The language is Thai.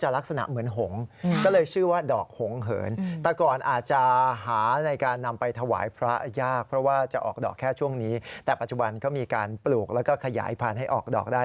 และก็ขยายพันธุ์ให้ออกดอกได้